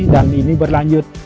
dan ini berlanjut